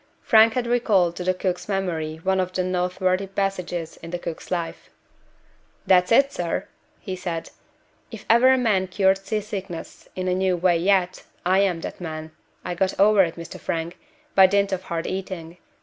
Frank had recalled to the cook's memory one of the noteworthy passages in the cook's life. "That's it, sir!" he said. "If ever a man cured sea sickness in a new way yet, I am that man I got over it, Mr. Frank, by dint of hard eating.